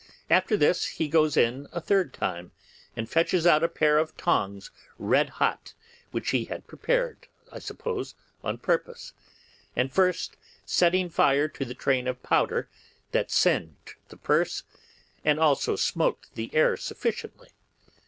After this he goes in a third time and fetches out a pair of tongs red hot, and which he had prepared, I suppose, on purpose; and first setting fire to the train of powder, that singed the purse and also smoked the air sufficiently.